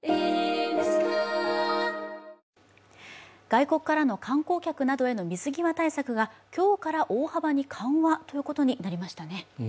外国からの観光客などへの水際対策が今日から大幅に緩和ということになりましたね。